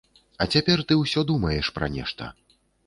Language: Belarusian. А цяпер ты ўсё думаеш пра нешта.